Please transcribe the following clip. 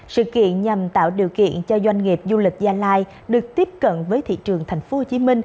sự kiện nhằm tạo điều kiện cho doanh nghiệp du lịch gia lai được tiếp cận với thị trường tp hcm